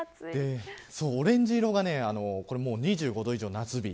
オレンジ色が２５度以上の夏日。